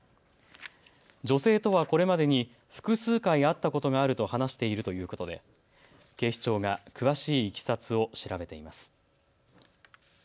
女性とはこれまでに複数回、会ったことがあると話しているということで警視庁が詳しいいきさつを調べています。